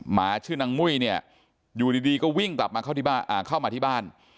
หมาชื่อนางมุ้ยเนี่ยอยู่ดีก็วิ่งกลับมาเข้ามาที่บ้าน